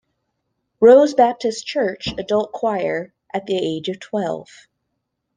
Rose Baptist Church adult choir at the age of twelve.